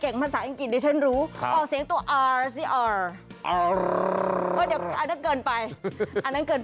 แต่มันไม่ใช่พูดอ่ามันต้องเอาอิงโต้ไปนั่งใน